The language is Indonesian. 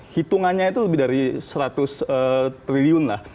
hitungannya itu lebih dari seratus triliun lah